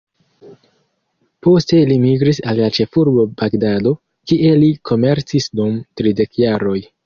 Poste li migris al la ĉefurbo Bagdado, kie li komercis dum tridek jaroj.